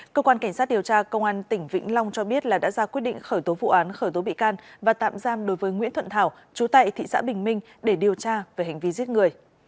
cơ quan cảnh sát điều tra công an tỉnh vĩnh long cho biết đã ra quyết định khởi tố vụ án khởi tố bị can và tạm giam đối với nguyễn thuận thảo chú tại thị xã bình minh để điều tra về hành vi giết người